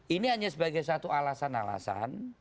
ini hanya sebagai satu alasan alasan